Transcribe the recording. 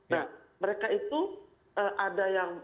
nah mereka itu ada yang